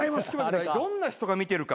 どんな人が見てるか。